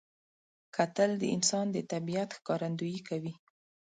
کتل د انسان د طبیعت ښکارندویي کوي